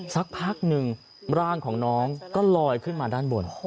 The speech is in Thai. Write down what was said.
สักพักหนึ่งร่างของน้องก็ลอยขึ้นมาด้านบน